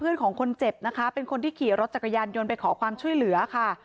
ของคนเจ็บนะคะเป็นคนที่ขี่รถจักรยานยนต์ไปขอความช่วยเหลือค่ะ